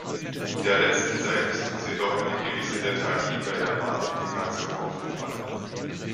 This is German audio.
In der letzten Zeit ist uns jedoch eine gewisse Lethargie bei der Marktintegration aufgefallen.